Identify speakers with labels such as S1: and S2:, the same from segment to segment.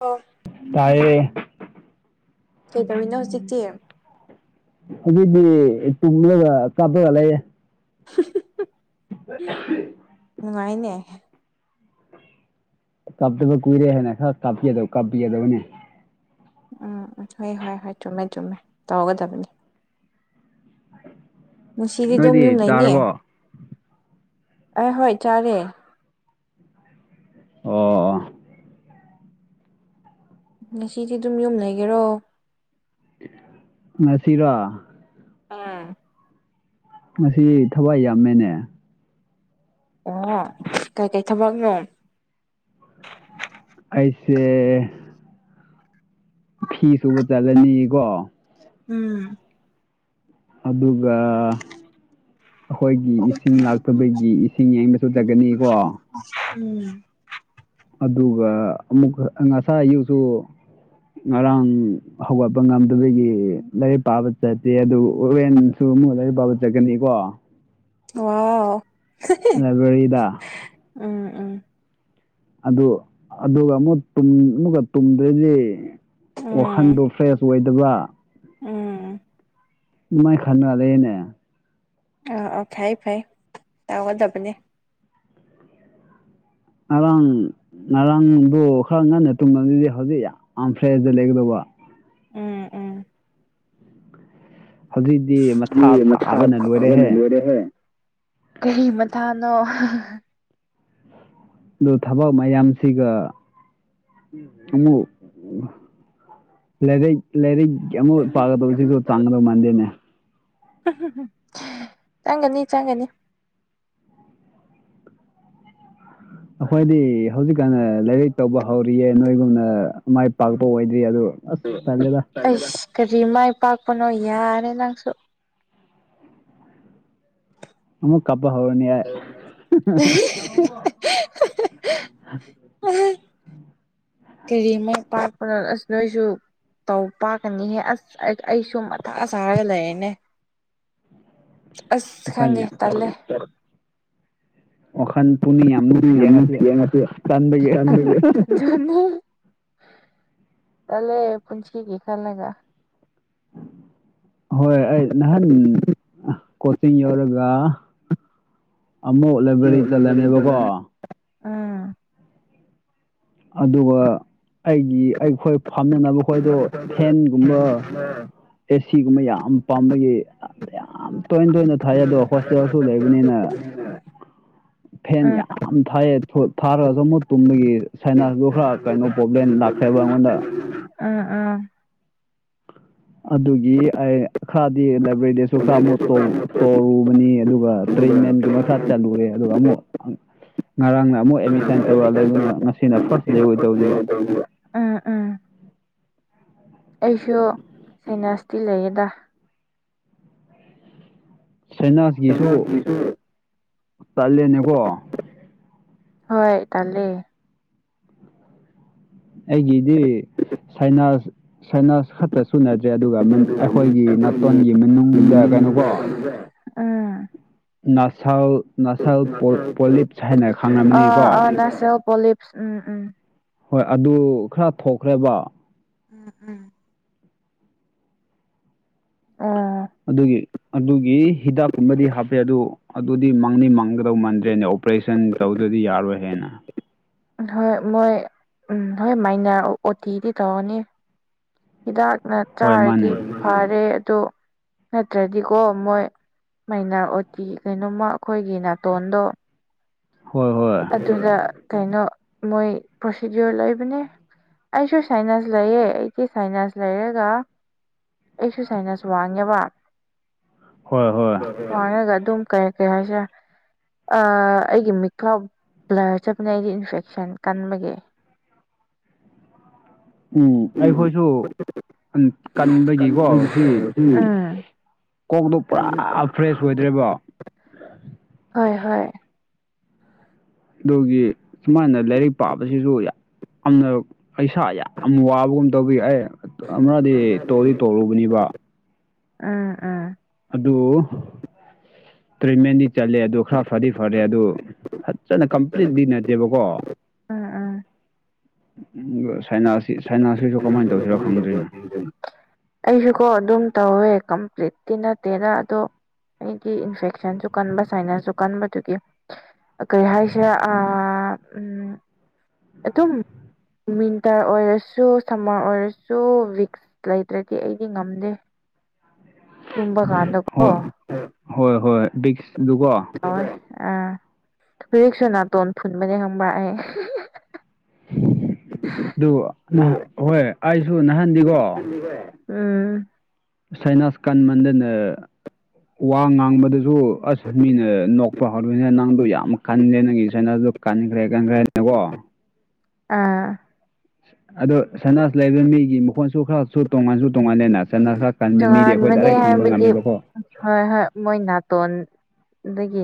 S1: ꯑꯣ
S2: ꯇꯥꯏꯌꯦ
S1: ꯀꯩꯗ꯭ꯌꯣꯏꯅꯣ ꯍꯧꯖꯤꯛꯇꯤ
S2: ꯑꯗꯨꯏꯗꯤ ꯇꯨꯡꯂꯒ ꯀꯥꯞꯄꯒ ꯂꯩꯌꯦ [unintelligible]
S1: ꯅꯨꯡꯉꯥꯏꯅꯦ
S2: ꯀꯞꯇꯕ ꯀꯨꯏꯔꯦ ꯍꯥꯏꯅ ꯈꯔ ꯀꯞꯀꯦꯗꯧ ꯀꯞꯄ ꯌꯥꯥꯗꯕꯅꯦ
S1: ꯎꯝ ꯎꯝ ꯍꯣꯏ ꯍꯣꯏ ꯍꯣꯏ ꯆꯨꯝꯃꯦ ꯆꯨꯝꯃꯦ ꯇꯧꯒꯗꯕꯅꯤ ꯉꯁꯤꯗꯤ ꯑꯗꯨꯝ
S2: ꯅꯣꯏꯗꯤ
S1: ꯌꯨꯝ ꯂꯩꯅꯦ
S2: ꯆꯥꯔꯕꯣ ꯑꯣ
S1: ꯑꯩ ꯍꯣꯏ ꯆꯥꯔꯦ
S2: ꯑꯣ
S1: ꯉꯁꯤꯗꯤ ꯑꯗꯨꯝ ꯌꯨꯝ ꯂꯩꯒꯦꯔꯣ
S2: ꯉꯁꯤꯔꯣ
S1: ꯑꯥ
S2: ꯉꯁꯤ ꯊꯋꯥꯏ ꯌꯥꯝꯃꯦꯅꯦ
S1: ꯑꯣ ꯀꯩꯀꯩ ꯊꯕꯛꯅꯣ
S2: ꯑꯩꯁꯦ ꯐꯤ ꯁꯨꯕ ꯆꯠꯂꯅꯤꯀꯣ
S1: ꯎꯝ
S2: ꯑꯗꯨꯒ ꯑꯩꯈꯣꯏꯒꯤ ꯏꯁꯤꯡ ꯂꯥꯛꯇꯕꯒꯤ ꯏꯁꯤꯡ ꯌꯦꯡꯕꯁꯨ ꯆꯠꯀꯅꯤꯀꯣ
S1: ꯎꯝ
S2: ꯑꯗꯨꯒ ꯑꯃꯨꯛꯀ ꯉꯁꯥꯏ ꯑꯌꯨꯛꯁꯨ ꯉꯔꯥꯡ ꯍꯧꯒꯠꯄ ꯉꯝꯗꯕꯒꯤ ꯂꯥꯏꯔꯤꯛ ꯄꯥꯕ ꯆꯠꯇꯦ ꯑꯗꯨ ꯎꯔꯦꯟ ꯁꯨ ꯑꯃꯨꯛ ꯂꯥꯏꯔꯤꯛ ꯄꯥꯕ ꯆꯠꯀꯅꯤꯀꯣ
S1: ꯋꯥꯎ
S2: ꯂꯥꯏꯕꯔꯤꯗ
S1: ꯎꯝ ꯎꯝ
S2: ꯑꯗꯨ ꯑꯗꯨꯒ ꯑꯃꯨꯛ ꯇꯨꯝ ꯑꯃꯨꯛꯀ ꯇꯨꯝꯗꯣꯏꯅꯤ
S1: ꯎꯝ
S2: ꯋꯥꯈꯟꯗꯣ ꯐ꯭ꯔꯦꯁ ꯑꯣꯏꯗꯕ
S1: ꯎꯝ
S2: ꯃꯥꯏ ꯈꯥꯟꯅꯗꯦꯅꯦ
S1: ꯑ ꯑꯣ ꯐꯥꯏ ꯐꯥꯏ ꯇꯒꯗꯕꯅꯦ
S2: ꯉꯔꯥꯡ ꯉꯔꯥꯡꯗꯨ ꯈꯔ ꯉꯟꯅ ꯇꯨꯝꯕꯗꯨꯗꯤ ꯍꯧꯖꯤꯛ ꯌꯥꯝ ꯌꯥꯝ ꯐ꯭ꯔꯦꯁꯇ ꯂꯩꯒꯗꯧꯕ
S1: ꯎꯝ ꯎꯝ
S2: ꯍꯧꯖꯤꯛꯇꯤ ꯃꯊꯥ ꯁꯥꯕꯅ
S1: ꯃꯆꯥꯥꯕꯅ
S2: ꯂꯣꯏꯔꯦꯍꯦ
S1: ꯂꯣꯏꯔꯦ ꯍꯦ ꯀꯔꯤ ꯃꯇꯊꯥꯅꯣ
S2: ꯑꯗꯨ ꯊꯕꯛ ꯃꯌꯥꯝꯁꯤꯒ ꯑꯃ ꯂꯩꯔ ꯂꯩꯔꯤ ꯀꯌꯥꯃꯨꯛ ꯄꯥꯒꯗꯧꯕꯁꯤꯁꯨ ꯆꯥꯡꯒꯗꯧ ꯃꯥꯟꯗꯦꯅꯦ
S1: ꯆꯪꯒꯅꯤ ꯆꯪꯒꯅꯤ
S2: ꯑꯩꯈꯣꯏꯗꯤ ꯍꯧꯖꯤꯛꯀꯥꯟꯅ ꯂꯥꯏꯔꯤꯛ ꯇꯧꯕ ꯍꯧꯔꯤꯌꯦ ꯅꯣꯏꯒꯨꯝꯅ ꯃꯥꯏ ꯄꯥꯛꯄ ꯑꯣꯏꯗ꯭ꯔꯤ ꯑꯗꯣ ꯑꯁ ꯇꯂꯦꯗ
S1: ꯑꯁ ꯀꯔꯤ ꯃꯥꯏ ꯄꯥꯛꯄꯅꯣ ꯌꯥꯔꯦ ꯅꯪꯁꯨ
S2: ꯑꯃꯨꯛ ꯀꯄ ꯍꯔꯅꯤ ꯌꯥꯏ
S1: ꯀꯥꯔꯤ ꯃꯥꯏ ꯄꯥꯛꯔꯣ ꯑꯁ ꯅꯣꯏꯁꯨ ꯇꯧ ꯄꯥꯛꯀꯅꯤꯍꯦ ꯑꯁ ꯑꯩꯁꯨ ꯃꯊꯥ ꯁꯥꯥꯔꯒ ꯂꯩꯔꯦꯅꯦ
S2: ꯎꯝ
S1: ꯑꯁ ꯈꯪꯗꯦ ꯇꯜꯂꯦ
S2: ꯋꯥꯈꯜ ꯄꯨꯛꯅꯤꯡ ꯌꯥꯝ ꯅꯨꯡꯁꯤꯌꯦ ꯉꯁꯤ
S1: ꯊꯂꯤꯌꯥꯒ
S2: ꯇꯟꯕꯒꯤ
S1: ꯆ [inaudible] ꯇꯜꯂꯦ ꯄꯨꯟꯁꯤꯒꯤ ꯈꯜꯂꯒ
S2: ꯍꯣꯏ ꯑꯩ ꯅꯍꯥꯟ ꯀꯣꯆꯤꯡ ꯌꯧꯔꯒ ꯑꯃꯨꯛ ꯂꯥꯏꯕꯔꯤ
S1: ꯎꯝ
S2: ꯆꯜꯂꯅꯦꯕꯀꯣ ꯫
S1: ꯎꯝ
S2: ꯑꯗꯨꯒ ꯑꯩꯒꯤ ꯑꯩꯈꯣꯏ ꯐꯥꯝꯅꯕ ꯈꯣꯏꯗꯣ ꯐꯦꯟꯒꯨꯝꯕ ꯫ ꯑꯦ ꯁꯤꯒꯨꯝꯕ ꯌꯥꯝ ꯄꯥꯝꯕꯒꯤ ꯌꯥꯝ ꯇꯣꯏ - ꯇꯣꯏꯅ ꯊꯥꯏ ꯑꯗꯣ ꯍꯣꯁꯇꯦꯜꯁꯨ ꯂꯩꯕꯅꯤꯅ
S1: [unintelligible]
S2: ꯐꯦꯟ
S1: ꯎꯝ
S2: ꯌꯥꯝ ꯊꯥꯏꯑ ꯊꯥꯔꯒ ꯑꯃꯨꯛꯀ ꯇꯨꯝꯕꯒꯤ ꯁꯥꯏꯅꯥꯁꯤꯗꯣ ꯈꯔ ꯀꯩꯅꯣ ꯄ꯭ꯔꯣꯕ꯭ꯂꯦꯝ ꯂꯥꯛꯈ꯭ꯔꯦꯕ ꯑꯩꯉꯣꯟꯗ ꯫
S1: ꯎꯝ ꯎꯝ
S2: ꯑꯗꯨꯒꯤ ꯑꯩ ꯈꯔꯗꯤ ꯂꯥꯏꯕ꯭ꯔꯦꯔꯤꯗꯁꯨ ꯈꯔ ꯑꯃꯨꯛ ꯇꯧ ꯇꯧꯔꯨ ꯑꯗꯨꯒ ꯇ꯭ꯔꯦꯟꯃꯦꯟꯒꯨꯝꯕ ꯈꯔ ꯆꯂꯨꯔꯦ ꯑꯗꯨꯒ ꯑꯃꯨꯛ ꯉꯔꯥꯡꯅ ꯑꯃꯨꯛ ꯑꯦꯗꯃꯤꯁꯟ ꯇꯧꯔꯥ ꯂꯩꯕꯅꯦ ꯉꯁꯤꯅ ꯐꯥꯔꯁ ꯗꯦ ꯑꯣꯏꯗꯧꯅꯤꯕ ꯫
S1: ꯎꯝ ꯎꯝ ꯑꯩꯁꯨ ꯁꯥꯏꯅꯥꯁꯇꯤ ꯂꯩꯌꯦꯗ
S2: ꯁꯥꯏꯅꯥꯖꯀꯤꯁꯨ
S1: ꯀꯩꯅꯣꯒꯤꯁꯨ
S2: ꯇꯥꯂꯦꯟꯅꯦꯀꯣ ꯫
S1: ꯍꯣꯏ ꯇꯜꯂꯦ
S2: ꯑꯩꯒꯤꯗꯤ ꯁꯥꯏꯅꯥꯁ ꯁꯥꯏꯅꯥꯁ ꯈꯛꯇ ꯁꯨꯅꯗ꯭ꯔꯦ ꯑꯗꯨꯒ ꯑꯩꯈꯣꯏꯒꯤ ꯅꯥꯇꯣꯟꯒꯤ ꯃꯅꯨꯡꯗ ꯀꯩꯅꯣꯀꯣ ꯫
S1: ꯎꯝ
S2: ꯅꯁꯜ ꯅꯁꯜ ꯄꯣꯂꯤꯞꯁ ꯍꯥꯏꯅ ꯈꯪꯅꯕꯅꯤ ꯀꯣ ꯫
S1: ꯅꯁꯜ ꯄꯣꯂꯤꯞ ꯎꯝ ꯎꯝ
S2: ꯍꯣꯏ ꯑꯗꯨ ꯈꯔ ꯊꯣꯛꯈ꯭ꯔꯦꯕ ꯫
S1: ꯎꯝ ꯎꯝ ꯑꯣ
S2: ꯑꯗꯨꯒꯤ ꯑꯗꯨꯒꯤ ꯍꯤꯗꯥꯛꯀꯨꯝꯕꯗꯤ ꯍꯥꯞꯄꯦ ꯑꯗꯨ ꯑꯗꯨꯗꯤ ꯃꯥꯡꯅꯤ ꯃꯥꯡꯒꯗꯧ ꯃꯥꯟꯗꯦ ꯫ ꯅꯦ ꯑꯣꯄꯔꯦꯁꯟ ꯇꯧꯗ꯭ꯔꯗꯤ ꯌꯥꯔꯣꯏ ꯍꯥꯏꯅ ꯫
S1: ꯍꯣꯏ ꯃꯣꯏ ꯎꯝ ꯍꯣꯏ ꯃꯥꯏꯅꯔ ꯑꯣꯇꯤꯗꯤ ꯇꯧꯔꯅꯤ ꯍꯤꯗꯥꯛꯅ
S2: ꯍꯣꯏ
S1: ꯆꯥꯔꯗꯤ
S2: ꯃꯥꯅꯦ
S1: ꯐꯔꯦ ꯑꯗꯨ ꯅꯠꯇ꯭ꯔꯗꯤꯀꯣ ꯃꯣꯏ ꯃꯥꯏꯅꯥꯔ ꯑꯣꯇꯤ ꯀꯩꯅꯣꯃ ꯑꯩꯈꯣꯏꯒꯤ ꯅꯥꯇꯣꯟꯗꯣ
S2: ꯍꯣꯏ ꯍꯣꯏ
S1: ꯑꯗꯨꯅ ꯀꯩꯅꯣ ꯃꯣꯏ ꯄ꯭ꯔꯣꯁꯤꯗꯤꯌꯣꯔ ꯂꯩꯕꯅꯦ ꯑꯩꯁꯨ ꯁꯥꯏꯅꯁ ꯂꯩꯌꯦ ꯑꯩꯗꯤ ꯁꯥꯏꯅꯁ ꯂꯩꯔꯒ ꯑꯩꯁꯨ ꯁꯥꯏꯅꯁ ꯋꯥꯡꯉꯦꯕ
S2: ꯍꯣꯏ ꯍꯣꯏ
S1: ꯋꯦꯡꯉꯒꯑꯗꯨꯝ ꯀꯩ ꯀꯩ ꯍꯥꯏꯁꯦ ꯑꯥ ꯑꯩꯒꯤ ꯃꯤꯠ ꯕ꯭ꯂꯔ ꯆꯠꯄꯅꯦ ꯑꯩꯗꯤ ꯏꯟꯐꯦꯛꯁꯟ ꯀꯟꯕꯒꯤ
S2: ꯎꯝ ꯑꯩꯈꯣꯏꯁꯨ ꯎꯝ ꯀꯟꯕꯒꯤꯀꯣ ꯁꯤ ꯀꯣꯛꯇꯣ ꯄꯨꯔꯥ ꯐ꯭ꯔꯦꯁ ꯑꯣꯏꯗ꯭ꯔꯦꯕ
S1: ꯍꯣꯏ ꯍꯣꯏ
S2: ꯑꯗꯨꯒꯤ ꯁꯨꯃꯥꯏꯅ ꯂꯥꯏꯔꯤꯛ ꯄꯥꯕꯁꯤꯁꯨ ꯌꯥꯝꯅ ꯄꯩꯁꯥ ꯌꯥꯝ ꯋꯥꯕꯒꯨꯝ ꯇꯧꯕꯩ ꯑꯩ ꯑꯃꯔꯛꯗꯤ ꯇꯣꯗꯤ ꯇꯧꯔꯨꯒꯅꯤꯕ
S1: ꯑꯥ ꯑꯥ
S2: ꯑꯗꯨ ꯇ꯭ꯔꯤꯠꯃꯦꯟꯗꯤ ꯆꯠꯂꯦ ꯑꯗꯨ ꯈꯔ ꯐꯗꯤ ꯐꯔꯦ ꯑꯗꯨ ꯐꯖꯅ ꯀꯝꯄ꯭ꯂꯤꯠꯂꯤ ꯅꯠꯇꯦꯕꯀꯣ
S1: ꯎꯝ ꯎꯝ
S2: ꯁꯥꯏꯅꯁꯁꯤꯁꯨ ꯀꯃꯥꯏꯅ ꯇꯧꯁꯤꯔꯣ ꯈꯪꯗ꯭ꯔꯤꯅꯦ
S1: [unintelligible] ꯑꯩꯁꯨꯀꯣ ꯑꯗꯨꯝ ꯇꯧꯋꯦ ꯀꯝꯄ꯭ꯂꯤꯠꯇꯤ ꯅꯠꯇꯦꯗ ꯑꯗꯣ ꯑꯩꯗꯤ ꯏꯟꯐꯦꯛꯁꯟꯁꯨ ꯀꯟꯕ ꯁꯥꯏꯅꯁꯁꯨ ꯀꯟꯕꯗꯨꯒꯤ ꯀꯔꯤ ꯍꯥꯏꯁꯤꯔ ꯑꯥ ꯑꯝ ꯑꯗꯨꯝ ꯃꯤꯋꯤꯟꯇꯔ ꯑꯣꯏꯔ ꯁꯨ ꯁꯝꯃꯔ ꯑꯣꯏꯔꯁꯨ ꯋꯤꯛꯁ ꯂꯩꯇ꯭ꯔꯗꯤ ꯑꯩꯗꯤ ꯉꯝꯗꯦ ꯇꯨꯝꯕ ꯀꯥꯟꯗ ꯀꯣ
S2: ꯍꯣꯏ ꯍꯣꯏ ꯍꯣꯏ ꯕꯤꯛꯁꯗꯨꯀꯣ
S1: ꯑꯣ ꯑꯥ ꯍꯧꯖꯤꯛꯁꯨ ꯅꯥꯇꯣꯟ ꯐꯨꯟꯕꯅꯦ ꯈꯪꯕ꯭ꯔꯥ ꯑꯩ
S2: ꯑꯗꯨ ꯍꯣꯏ ꯑꯩꯁꯨ ꯅꯍꯥꯟꯅꯤꯀꯣ
S1: [unintelligible] ꯎꯝ
S2: ꯁꯩꯅꯥꯁ ꯀꯟꯃꯟꯗꯅ ꯋꯥ ꯉꯥꯡꯕꯗꯁꯨ ꯑꯁ ꯃꯤꯅ ꯅꯣꯛꯄ ꯍꯧꯔꯣꯏꯅꯦ ꯅꯪꯗꯣ ꯌꯥꯝ ꯀꯜꯂꯦ ꯅꯪꯒꯤ ꯁꯥꯏꯅꯁꯗꯣ ꯀꯟꯈ꯭ꯔꯦ ꯀꯟꯈ꯭ꯔꯦꯅꯦꯀꯣ
S1: ꯑꯥ
S2: ꯑꯗꯣ ꯁꯅꯥꯖ ꯂꯩꯕ ꯃꯤꯒꯤ ꯃꯈꯣꯟꯁꯨ ꯈꯔ ꯁꯨ ꯇꯣꯉꯥꯟꯁꯨ ꯇꯣꯉꯥꯟꯜꯂꯦꯅ ꯆꯠꯅ ꯈꯔ ꯀꯟꯕ ꯃꯤꯗꯤ ꯑꯩꯈꯣꯏ
S1: ꯇꯣꯉꯥꯟꯕꯅꯦ
S2: ꯗꯥꯏꯔꯦꯛ ꯐꯪꯕ
S1: ꯍꯥꯏꯕꯗꯤ
S2: ꯉꯝꯃꯦꯕꯀꯣ
S1: ꯍꯣꯏ ꯍꯣꯏ ꯃꯣꯏ ꯅꯥꯇꯣꯟ ꯑꯗꯒꯤ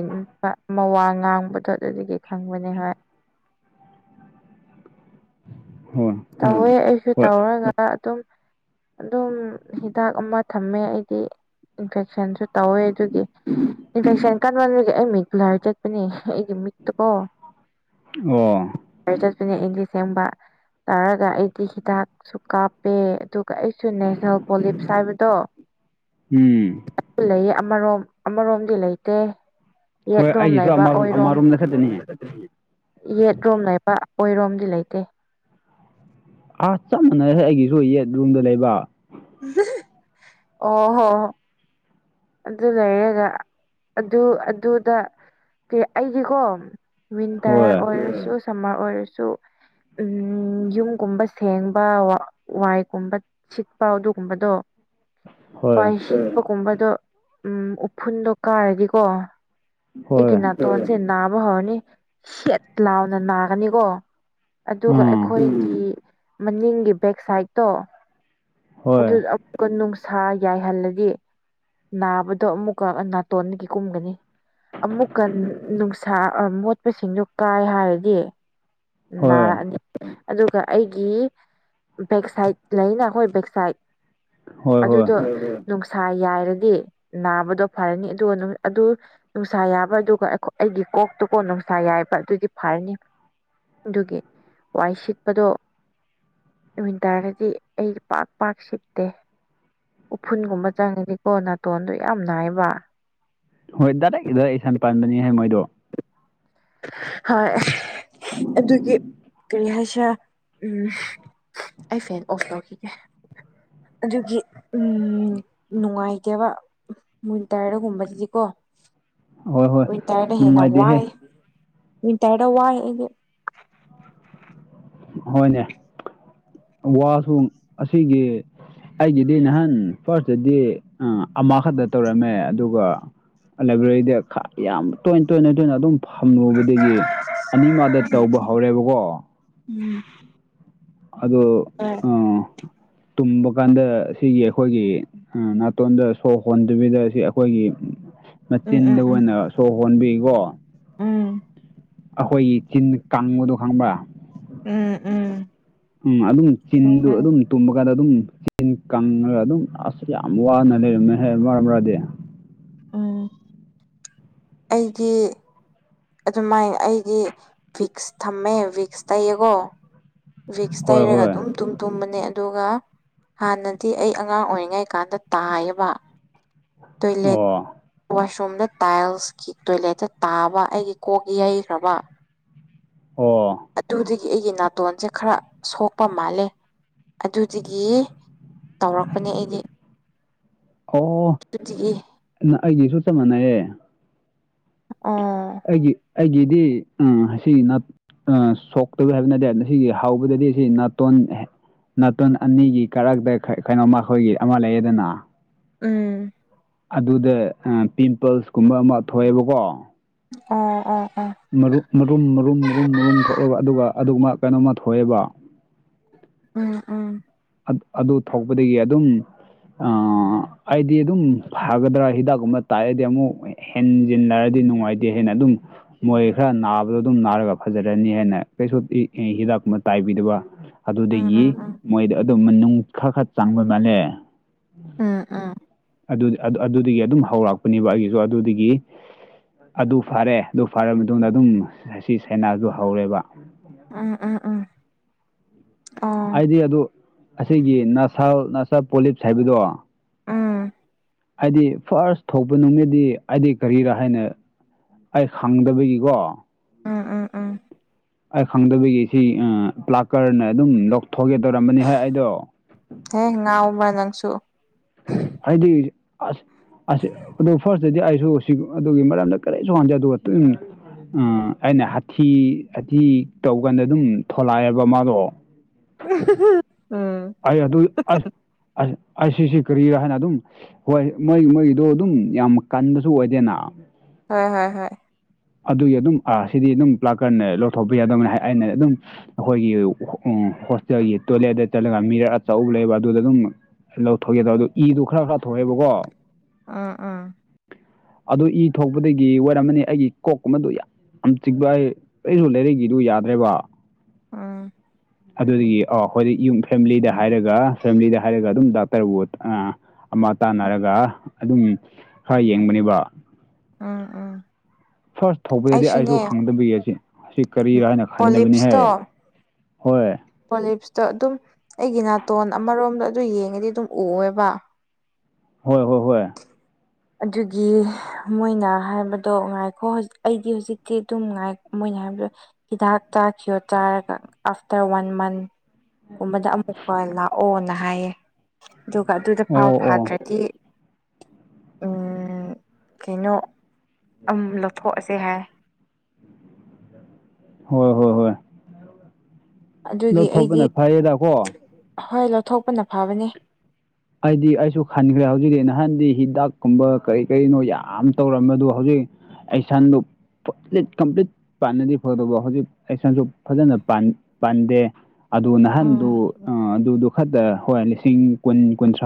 S1: ꯃꯋꯥ ꯉꯥꯡꯕꯗꯣ ꯑꯗꯨꯗꯒꯤ ꯈꯪꯕꯅꯤ ꯍꯥꯏ
S2: ꯍꯣꯏ
S1: ꯇꯧꯋꯦ ꯑꯩꯁꯨ
S2: ꯍꯣꯏ
S1: ꯇꯧꯔꯒ ꯑꯗꯨꯝ ꯑꯗꯨꯝ ꯍꯤꯗꯥꯛ ꯑꯃ ꯊꯝꯃꯦ ꯑꯩꯗꯤ ꯏꯟꯐꯦꯛꯁꯟꯁꯨ ꯇꯧꯋꯦ ꯑꯗꯨꯒꯤ ꯏꯟꯐꯦꯛꯁꯟ ꯀꯟꯃꯟꯕꯒꯤ ꯑꯩ ꯃꯤꯠ ꯕꯂꯔ ꯆꯠꯄꯅꯦ ꯑꯩꯒꯤ ꯃꯤꯠꯇꯨꯀꯣ
S2: ꯑꯣ
S1: ꯆꯠꯄꯅꯦ ꯑꯩꯗꯤ ꯁꯦꯝꯕ ꯇꯥꯔꯒ ꯑꯩꯗꯤ ꯍꯤꯗꯥꯛ ꯁꯨ ꯀꯥꯞꯄꯦ ꯑꯗꯨꯒ ꯑꯩꯁꯨ ꯅꯦꯁꯅꯦꯜ ꯄꯣꯂꯤꯞꯁ ꯍꯥꯏꯕꯗꯣ
S2: ꯎꯝ
S1: ꯂꯩ ꯑꯃꯔꯣꯝ ꯑꯃꯔꯣꯝꯗꯤ ꯂꯩꯇꯦ
S2: ꯍꯣꯏ
S1: ꯌꯦꯠꯂꯣꯝ
S2: ꯑꯩꯒꯤꯁꯨ
S1: ꯂꯩꯕ
S2: ꯑꯃꯔꯣꯝ
S1: ꯑꯣꯏꯔꯣꯝ
S2: ꯑꯃꯔꯣꯝꯗ ꯈꯛꯇꯅꯤ
S1: ꯌꯦꯠꯔꯣꯝ ꯂꯩꯕ ꯑꯣꯏꯔꯣꯝꯗꯤ ꯂꯩꯇꯦ
S2: ꯑꯥ ꯆꯞ ꯃꯥꯟꯅꯔꯦ ꯑꯩꯒꯤꯁꯨ ꯌꯦꯠ ꯔꯨꯝꯗ ꯂꯩꯕ
S1: [unintelligible] ꯑꯣ ꯍꯣ ꯑꯗꯨ ꯂꯩꯔꯒ ꯑꯗꯨ ꯑꯗꯨꯗ ꯀ ꯑꯩꯒꯤꯀꯣ ꯋꯤꯟꯇꯔ
S2: ꯍꯣꯏ
S1: ꯑꯣꯏꯔꯁꯨ ꯁꯝꯃꯔ ꯑꯣꯏꯔꯁꯨ ꯎꯝ ꯌꯨꯝꯒꯨꯝꯕ ꯁꯦꯡꯕ ꯋꯥꯏꯒꯨꯝꯕ ꯁꯤꯠꯄ ꯑꯗꯨꯒꯨꯝꯕꯗꯣ
S2: ꯍꯣꯏ
S1: ꯋꯥꯏ ꯁꯤꯁꯤꯡꯕꯒꯨꯝꯕꯗꯣ ꯎꯝ ꯎꯐꯨꯟꯗꯣ ꯀꯥꯔꯗꯤꯀꯣ
S2: ꯍꯣꯏ
S1: ꯑꯩꯒꯤ ꯅꯥꯠꯇꯣꯟꯜꯁꯦ ꯅꯥꯕ ꯍꯧꯔꯅꯤ ꯁꯦꯠ ꯂꯥꯎꯅ ꯅꯥꯒꯅꯤꯀꯣ ꯑꯗꯨꯒ
S2: ꯎꯝ
S1: ꯑꯩꯈꯣꯏꯒꯤ ꯃꯅꯤꯡꯒꯤ ꯕꯦꯛ ꯁꯥꯏꯠꯇꯣ
S2: ꯍꯣꯏ
S1: ꯑꯗꯨꯗ ꯀꯨ ꯅꯨꯡꯁꯥ ꯌꯥꯏꯍꯜꯂꯒ ꯅꯥꯕꯗꯣ ꯑꯃꯨꯛꯀ ꯅꯥꯇꯣꯟꯒꯤ ꯀꯨꯝꯒꯅꯤ ꯑꯃꯨꯛꯀ ꯅꯨꯡꯁꯥ ꯃꯣꯠꯄꯁꯤꯡꯗꯣ ꯀꯥꯏ ꯍꯥꯏꯔꯗꯤ
S2: ꯍꯣꯏ
S1: ꯅꯥꯔꯛꯑꯅꯤ ꯑꯗꯨꯒ ꯑꯩꯒꯤ ꯕꯦꯛꯁꯥꯏꯠ ꯂꯩꯅ ꯑꯩꯈꯣꯏ ꯕꯦꯛꯁꯥꯏꯠ
S2: ꯍꯣꯏ ꯍꯣꯏ
S1: ꯑꯗꯨꯗꯣ ꯅꯨꯡꯁꯥ ꯌꯥꯏꯔꯗꯤ ꯅꯥꯕꯗꯣ ꯐꯔꯅꯤ ꯑꯗꯨꯒ ꯑꯗꯨ ꯅꯨꯡꯁꯥ ꯌꯥꯕ ꯑꯗꯨꯒ ꯑꯩꯒꯤ ꯀꯣꯛꯇꯨꯀꯣ ꯅꯨꯡꯁꯥ ꯌꯥꯏꯕ ꯑꯗꯨꯗꯤ ꯐꯔꯅꯤ ꯑꯗꯨꯒꯤ ꯋꯥꯏ ꯁꯤꯠꯄꯗꯣ ꯟꯇꯥꯔꯒꯗꯤ ꯑꯩ ꯄꯥꯛ ꯄꯥꯛ ꯁꯤꯞꯠꯇꯦ ꯎꯐꯨꯟꯒꯨꯝꯕ ꯆꯪꯉꯅꯤꯀꯣ ꯅꯥꯇꯣꯟꯗꯣ ꯌꯥꯝ ꯅꯥꯏꯕ
S2: ꯍꯣꯏ ꯗꯥꯏꯔꯦꯛ ꯑꯗꯨ ꯏꯁꯟ ꯄꯥꯟꯕꯅꯤ ꯍꯥꯏ ꯃꯣꯏꯗꯣ
S1: ꯍ ꯑꯗꯨꯒꯤ ꯀꯔꯤ ꯍꯥꯏꯁꯦ ꯎꯝ ꯑꯩ ꯐꯦꯟ ꯑꯣꯐ ꯇꯧꯈꯤꯒꯦ ꯑꯗꯨꯒꯤ ꯎ ꯅꯨꯡꯉꯥꯏꯇꯕ ꯃꯣꯏꯟ ꯇꯥꯏꯔꯒꯨꯝꯕꯗꯗꯤꯀꯣ
S2: ꯍꯣꯏ ꯍꯣꯏ
S1: ꯋꯤꯟꯇꯔꯗ ꯍꯦꯟꯅ
S2: ꯅꯨꯡꯉꯥꯏꯇꯦꯍꯦ
S1: ꯋꯥꯏ ꯋꯤꯟꯇꯔꯗ ꯋꯥꯏ ꯑꯩꯗꯤ
S2: ꯍꯣꯏꯅꯦ ꯋꯥꯁꯨ ꯑꯁꯤꯒꯤ ꯑꯩꯒꯤꯗꯤ ꯅꯍꯥꯟ ꯐꯥꯔꯁꯇꯗꯤ ꯑꯃꯈꯛꯇ ꯇꯧꯔꯝꯃꯦ ꯑꯗꯨꯒ ꯂꯥꯏꯕ꯭ꯔꯦꯔꯤꯗ ꯌꯥꯝ ꯇꯣꯏꯅ ꯇꯣꯏꯅ ꯇꯣꯏꯅ ꯑꯗꯨꯝ ꯐꯝꯂꯨꯕꯗꯒꯤ ꯑꯅꯤꯃꯗ ꯇꯧꯕ ꯍꯧꯔꯦꯕꯀꯣ
S1: ꯎꯝ
S2: ꯑꯗ
S1: ꯎꯥ
S2: ꯑꯣ ꯇꯨꯝꯕ ꯀꯥꯟꯗ ꯁꯤꯒꯤ ꯑꯩꯈꯣꯏꯒꯤ ꯎ ꯅꯥꯇꯣꯟꯗ ꯁꯣꯛ ꯍꯣꯟꯗꯕꯤꯗ ꯁꯤ ꯑꯩꯈꯣꯏꯒꯤ
S1: ꯎꯝ
S2: ꯃꯆꯤꯟꯗ
S1: ꯎꯝ
S2: ꯑꯣꯏꯅ ꯁꯣꯛ ꯍꯣꯟꯕꯤꯀꯣ
S1: ꯎꯝ
S2: ꯑꯩꯈꯣꯏꯒꯤ ꯆꯤꯟ ꯀꯥꯡꯪꯕꯗꯣ ꯈꯪꯕ꯭ꯔꯥ
S1: ꯎꯝ ꯎꯝ
S2: ꯎꯝ ꯑꯗꯨꯝ ꯆꯤꯟꯗꯨ
S1: ꯎꯝ
S2: ꯑꯗꯨꯝ ꯇꯨꯝꯕ ꯀꯥꯟꯗ ꯑꯗꯨꯝ ꯏꯁꯤꯡ ꯀꯪꯉꯒ ꯑꯗꯨꯝ ꯑꯁ ꯌꯥꯝ ꯋꯥꯅ ꯂꯩꯔꯝꯃꯦ ꯍꯥꯏ ꯃꯔꯝ ꯃꯔꯗꯤ
S1: ꯎꯝ ꯑꯩꯒꯤ ꯑꯗꯨꯃꯥꯏꯅ ꯑꯩꯗꯤ ꯚꯤꯛꯁ ꯊꯝꯃꯦ ꯚꯤꯛꯁ ꯇꯩꯌꯦꯀꯣ ꯚꯛꯁ
S2: ꯍꯣꯏ
S1: ꯇꯩꯔꯒ
S2: ꯍꯣꯏ
S1: ꯑꯗꯨꯝ ꯇꯨꯝ ꯇꯨꯝꯕꯅꯦ ꯑꯗꯨꯒ ꯍꯥꯟꯅꯗꯤ ꯑꯩ ꯑꯉꯥꯡ ꯑꯣꯏꯔꯤꯉꯩ ꯀꯥꯟꯗ ꯇꯥꯏꯌꯦꯕ ꯇꯣꯏꯂꯦꯠ
S2: ꯑꯣ
S1: ꯋꯥꯁꯔꯨꯝꯗ ꯇꯥꯏꯜꯁꯀꯤ ꯇꯣꯏꯂꯦꯠꯇ ꯇꯥꯕ ꯑꯩꯒꯤ ꯀꯣꯛ ꯌꯩꯈ꯭ꯔꯕ
S2: ꯑꯣ
S1: ꯑꯗꯨꯗꯒꯤ ꯑꯩꯒꯤ ꯅꯥꯇꯣꯟꯁꯦ ꯈꯔ ꯁꯣꯛꯄ ꯃꯥꯜꯂꯦ ꯑꯗꯨꯗꯒꯤ ꯇꯧꯔꯛꯄꯅꯦ ꯑꯩꯗꯤ
S2: ꯑꯣ
S1: ꯑꯗꯨꯒꯤ
S2: ꯑꯩꯗꯤꯁꯨ ꯆꯞ ꯃꯥꯟꯅꯩꯌꯦ
S1: ꯑꯣ
S2: ꯑꯩꯒꯤ ꯑꯩꯒꯤꯗꯤ ꯎ ꯑꯁꯤ ꯑ ꯁꯣꯛꯇꯕ ꯍꯥꯏꯕ ꯅꯠꯇꯦ ꯃꯁꯤꯁꯤꯒꯤ ꯍꯥꯎꯧꯕꯗꯗꯤ ꯑꯁꯤ ꯅꯥꯇꯣꯟ ꯅꯥꯇꯨꯟ ꯑꯅꯤꯒꯤ ꯀꯔꯛꯇ ꯀꯩꯅꯣꯝꯃ ꯑꯩꯈꯣꯏꯒꯤ ꯑꯃ ꯂꯩꯌꯦꯗꯅ
S1: ꯎꯝ
S2: ꯑꯗꯨꯗ ꯄꯤꯝꯄꯜꯁꯀꯨꯝꯕ ꯑꯃ ꯊꯣꯛꯑꯦꯕꯀꯣ
S1: ꯑꯣ ꯑꯣ ꯑꯣ
S2: ꯃꯔꯨꯝ ꯃꯔꯨꯝ ꯃꯔꯨꯝ ꯃꯔꯨꯝ ꯃꯔꯨꯝ ꯊꯣꯛꯂꯒ ꯑꯗꯨꯒ ꯑꯗꯨꯒꯨꯝꯕ ꯀꯩꯅꯣꯝꯃ ꯊꯣꯛꯑꯦꯕ
S1: ꯎꯝ ꯎꯝ
S2: ꯑꯗꯨ ꯊꯣꯛꯄꯗꯒꯤ ꯑꯗꯨꯝ ꯑꯩꯗꯤ ꯑꯗꯨꯝ ꯐꯒꯗ꯭ꯔꯥ ꯍꯤꯗꯥꯛꯀꯨꯝꯕ ꯇꯥꯛꯑꯑꯗꯤ ꯑꯃꯨꯛ ꯍꯦꯟꯖꯤꯟꯅꯔꯗꯤ ꯅꯨꯡꯉꯥꯏꯇꯦ ꯍꯥꯏꯅ ꯑꯗꯨꯝ ꯃꯣꯏ ꯈꯔ ꯅꯥꯕꯗꯣ ꯑꯗꯨꯝ ꯅꯥꯔꯒ ꯐꯖꯔꯅꯤ ꯍꯥꯏꯅ ꯀꯩꯁꯨ ꯍꯤꯗꯥꯛ ꯑꯃ ꯇꯥꯏꯕꯤꯗꯕ
S1: ꯎꯝ
S2: ꯑꯗꯨꯗꯒꯤ
S1: ꯎꯝ
S2: ꯃꯣꯏꯗ ꯑꯗꯨꯝ ꯃꯅꯨꯡ ꯈꯔ ꯈꯔ ꯆꯪꯕ ꯃꯥꯜꯂꯦ
S1: ꯎꯝ ꯎꯝ
S2: ꯑꯗꯨꯗꯒꯤ ꯑꯗꯨꯝ ꯍꯧꯔꯛꯄꯅꯦꯕ ꯑꯩꯒꯤꯁꯨ ꯑꯗꯨꯗꯒꯤ ꯑꯗꯨ ꯐꯔꯦ ꯑꯗꯨ ꯐꯔꯕ ꯃꯇꯨꯡꯗ ꯑꯗꯨꯝ ꯑꯁꯤ ꯁꯥꯏꯅꯥꯗꯨ ꯍꯧꯔꯦꯕ
S1: ꯎꯝ ꯎꯝ ꯎꯝ ꯑꯣ
S2: ꯑꯩꯗꯤ ꯑꯗꯨ ꯑꯁꯤꯒꯤ ꯅꯁꯥ ꯅꯁꯥ ꯄꯣꯂꯤꯞꯁ ꯍꯥꯏꯕꯗꯣ
S1: ꯎꯝ
S2: ꯍꯥꯏꯗꯤ ꯐꯥꯔꯁ ꯊꯣꯛꯄ ꯅꯨꯃꯤꯠꯗꯤ ꯑꯩꯗꯤ ꯀꯔꯤꯔꯥ ꯍꯥꯏꯅ ꯑꯩ ꯈꯪꯗꯕꯒꯤꯀꯣ
S1: ꯎꯝ ꯎꯝ ꯎꯝ
S2: ꯑꯩ ꯈꯪꯗꯕꯒꯤ ꯁꯤ ꯄ꯭ꯂꯥꯀꯔꯅ ꯑꯗꯨꯝ ꯂꯧꯊꯣꯛꯒꯦ ꯇꯧꯔꯝꯕꯅꯤ ꯍ‌ꯦ ꯑꯩꯗꯣ
S1: ꯍꯦ ꯉꯥꯎꯕ꯭ꯔꯥ ꯅꯪꯁꯨ
S2: ꯑꯩꯗꯤ ꯑꯁ ꯑꯁ ꯑꯗꯨ ꯐꯥꯔꯁꯇꯗꯤ ꯑꯩꯁꯨ ꯑꯗꯨꯒꯤ ꯃꯔꯝꯗ ꯀꯔꯤꯁꯨ ꯈꯪꯗ‌ꯦ ꯑꯗꯨꯒ ꯑꯩꯅ ꯍꯥꯊꯤ ꯍꯥꯊꯤ ꯇꯧꯀꯥꯟꯗ ꯑꯗꯨꯝ ꯊꯣꯂꯛꯑꯦꯕ ꯃꯥꯗꯣ
S1: [unintelligible]
S2: ꯑꯩ ꯑꯗꯨ ꯑꯁ ꯑ ꯑꯁꯤꯁꯤ ꯀꯔꯤꯔꯥ ꯍꯥꯏꯅ ꯑꯗꯨꯝ ꯍꯣꯏ ꯃꯣꯏ ꯃꯣꯏꯒꯤꯗꯣ ꯑꯗꯨꯝ ꯌꯥꯝ ꯀꯟꯕꯁꯨ ꯑꯣꯏꯗꯦꯅ
S1: ꯍꯣꯏ ꯍꯣꯏ ꯍꯣꯏ
S2: ꯑꯗꯨꯒꯤ ꯑꯗꯨꯝ ꯑ ꯁꯤꯗꯤ ꯑꯗꯨꯝ ꯄ꯭ꯂꯥꯛꯀꯔꯅ ꯂꯧꯊꯣꯛꯄ ꯌꯥꯗꯕꯅꯤ ꯍꯥꯏ ꯑꯩꯅ ꯑꯗꯨꯝ ꯑꯩꯈꯣꯏꯒꯤ ꯍꯣꯁꯇꯦꯜꯒꯤ ꯇꯣꯏꯂꯦꯠꯇ ꯆꯠꯂꯒ ꯃꯤꯔ ꯑꯆꯧꯕ ꯂꯩꯌ‌ꯦꯕ ꯑꯗꯨꯗ ꯑꯗꯨꯝ ꯂꯧꯊꯣꯛꯒꯦꯗ ꯑꯗꯣ ꯏꯗꯨ ꯈꯔ ꯈꯔ ꯊꯣꯛꯑꯦꯕꯀꯣ
S1: ꯑꯥ ꯑꯥ
S2: ꯑꯗꯨ ꯏ ꯊꯣꯛꯄꯗꯒꯤ ꯑꯣꯏꯔꯝꯃꯅꯤ ꯑꯩꯒꯤ ꯀꯣꯛꯀꯨꯝꯕꯗꯨ ꯌꯥꯝ ꯆꯤꯛꯕꯑꯩ ꯑꯩꯁꯨ ꯂꯩꯔꯛꯒꯤꯗꯨ ꯌꯥꯗ꯭ꯔꯦꯕ꯫
S1: ꯎꯝ
S2: ꯑꯗꯨꯗꯒꯤ ꯑꯣ ꯍꯣꯗꯤ ꯌꯨꯝ ꯐꯦꯃꯤꯂꯤꯗ ꯍꯥꯏꯔꯒ ꯐꯦꯃꯤꯂꯤꯗ ꯍꯥꯏꯔꯒ ꯑꯗꯨꯝ ꯗꯥꯛꯇꯔꯕꯨ ꯑ ꯑꯃ ꯇꯥꯟꯅꯔꯒ ꯑꯗꯨꯝ ꯈꯔ ꯌꯦꯡꯕꯅꯦꯕ
S1: ꯎꯝ ꯎꯝ
S2: ꯐꯥꯔꯁ ꯊꯧꯕꯗꯗꯤ ꯑꯩꯁꯨ
S1: ꯑꯩꯁꯨꯅꯦ
S2: ꯈꯪꯗꯕꯩ ꯑꯁꯤ ꯑꯁꯤ ꯀꯔꯤꯔꯥ ꯍꯥꯏꯅ ꯈꯟꯅꯕꯅꯤꯍꯦ
S1: ꯄꯣꯂꯤꯞꯁꯇꯣ
S2: ꯍꯣꯏ
S1: ꯄꯣꯂꯤꯞꯁꯇꯣ ꯑꯗꯨꯝ ꯑꯩꯒꯤ ꯅꯥꯇꯣꯟ ꯑꯃꯔꯣꯝꯗ ꯑꯗꯨ ꯌꯦꯡꯉꯗꯤ ꯑꯗꯨꯝ ꯎꯋꯦꯕ꯫
S2: ꯍꯣꯏ ꯍꯣꯏ ꯍꯣꯏ
S1: ꯑꯗꯨꯒꯤ ꯃꯣꯏꯅ ꯍꯥꯏꯕꯗꯣ ꯉꯥꯏꯈꯣ ꯑꯩꯗꯤ ꯍꯧꯖꯤꯛꯇꯤ ꯑꯗꯨꯝꯉꯥꯏ ꯃꯣꯏꯅ ꯍꯥꯏꯕꯗꯣ ꯍꯤꯗꯥꯛ ꯆꯥꯈꯤꯕ ꯆꯥꯔꯒ ꯑꯥꯐꯇꯔ ꯋꯥꯟ ꯃꯟ ꯨꯀꯨꯝꯕꯗ ꯑꯃꯨꯛꯀ ꯂꯥꯛꯑꯣꯅ ꯍꯥꯏꯌꯦ ꯑꯗꯨꯒ ꯑꯗꯨꯗ
S2: ꯑꯣ
S1: ꯐꯥꯎ
S2: ꯑꯣ
S1: ꯐꯥꯗ꯭ꯔꯗꯤ ꯎꯝ ꯀꯩꯅꯣ ꯑꯝ ꯂꯧꯊꯣꯛꯑꯁꯦ ꯍꯥꯏ
S2: ꯍꯣꯏ ꯍꯣꯏ ꯍꯣꯏ
S1: ꯑꯗꯨꯒꯤ ꯑꯩꯗꯤ
S2: ꯂꯧꯊꯣꯛꯄꯅ ꯐꯩꯌꯦꯗꯀꯣ
S1: ꯍꯣꯏ ꯂꯧꯊꯣꯛꯄꯅ ꯐꯕꯅꯦ꯫
S2: ꯑꯩꯗꯤ ꯑꯩꯁꯨ ꯈꯟꯈ꯭ꯔꯦ ꯍꯧꯖꯤꯛꯇꯤ ꯅꯍꯥꯟꯗꯤ ꯍꯤꯗꯥꯛꯀꯨꯝꯕ ꯀꯔꯤ ꯀꯔꯤꯅꯣ ꯌꯥꯝ ꯇꯧꯔꯝꯕꯗꯣ ꯍꯧꯖꯤꯛ ꯑꯦꯁꯟꯗꯣ ꯐꯨꯠꯂꯤ ꯀꯝꯄꯂꯤꯠ ꯄꯥꯟꯅꯗꯤ ꯐꯥꯗꯧꯕ ꯍꯧꯖꯤꯛ ꯑꯦꯛꯁꯟꯁꯨ ꯐꯖꯅ ꯄꯥꯟ ꯄꯥꯟꯗꯦ ꯑꯗꯨ
S1: ꯎꯝ
S2: ꯅꯍꯥꯟꯗꯨ ꯑꯗꯨꯗꯨ ꯈꯠꯇ ꯍꯣꯏ ꯂꯤꯁꯤꯡ ꯀꯨꯟ ꯀꯨꯟꯊ꯭ꯔꯥ